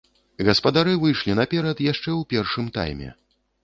Гаспадары выйшлі наперад яшчэ ў першым тайме.